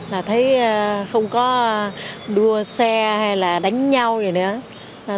là thấy không có đua xe hay là đánh nhau vậy nữa